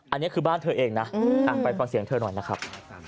อันนี้คือบ้านเธอเองนะไปฟังเสียงเธอหน่อยนะครับ